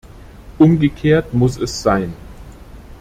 Umgekehrt muss es sein.